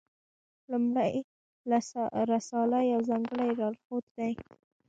لومړۍ رساله یو ځانګړی لارښود دی.